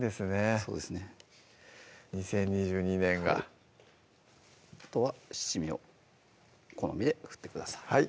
そうですね２０２２年があとは七味を好みで振ってください